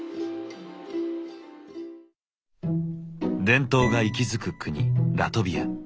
伝統が息づく国ラトビア。